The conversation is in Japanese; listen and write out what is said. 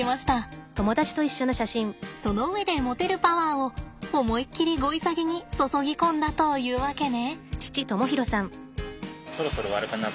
その上で持てるパワーを思いっきりゴイサギに注ぎ込んだというわけね。